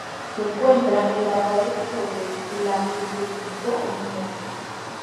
Se encuentra en la pared sobre la que se pintó originalmente.